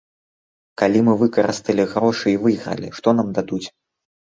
Калі мы выкарысталі грошы і выйгралі, што нам дадуць?